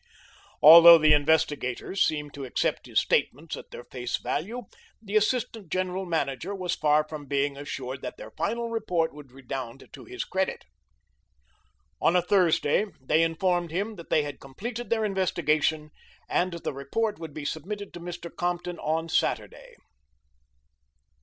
Although the investigators seemed to accept his statements at their face value, the assistant general manager was far from being assured that their final report would redound to his credit. On a Thursday they informed him that they had completed their investigation, and the report would be submitted to Mr. Compton on Saturday.